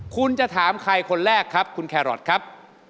คุณจะถามใครคนแรกครับคุณแครอทครับ